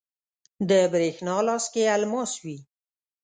د بریښنا لاس کې الماس وی